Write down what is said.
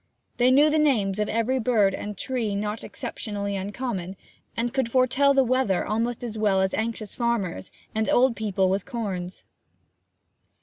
They knew the names of every bird and tree not exceptionally uncommon, and could foretell the weather almost as well as anxious farmers and old people with corns.